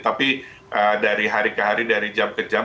tapi dari hari ke hari dari jam ke jam